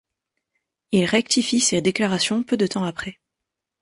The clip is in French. Il rectifie ses déclarations peu de temps après.